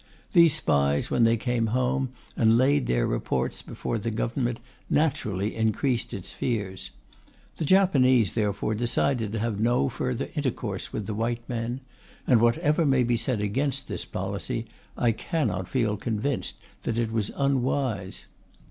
These spies, when they came home and laid their reports before the Government, naturally increased its fears. The Japanese, therefore, decided to have no further intercourse with the white men. And whatever may be said against this policy, I cannot feel convinced that it was unwise.